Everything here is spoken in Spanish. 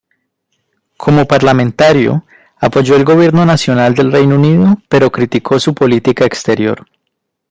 Como parlamentario apoyó el Gobierno Nacional del Reino Unido pero criticó su política exterior.